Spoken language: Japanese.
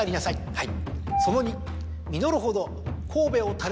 はい。